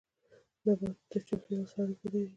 نبات د چاپيريال سره اړيکه لري